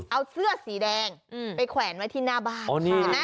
เอาเสื้อสีแดงไปแขวนไว้ที่หน้าบ้าน